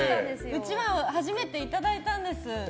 うちわを初めていただいたんです。